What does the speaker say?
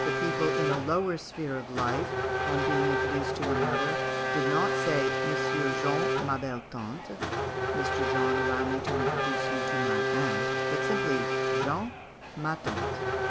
People in a lower sphere of life, on being introduced to one another, did not say, "Monsieur Jean, ma belle tante" "Mr. John, allow me to introduce you to my aunt" but simply, "Jean, ma tante."